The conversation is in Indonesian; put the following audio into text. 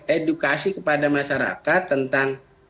edukasi kepada masyarakat tentang